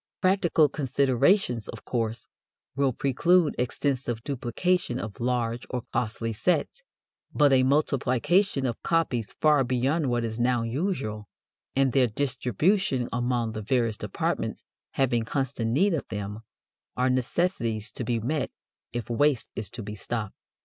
Practical considerations, of course, will preclude extensive duplication of large or costly sets, but a multiplication of copies far beyond what is now usual, and their distribution among the various departments having constant need of them, are necessities to be met if waste is to be stopped.